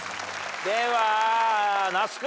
では那須君。